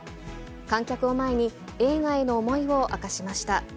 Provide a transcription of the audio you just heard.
観客を前に、映画への思いを明かしました。